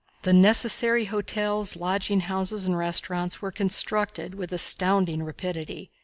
The necessary hotels, lodging houses and restaurants were constructed with astounding rapidity.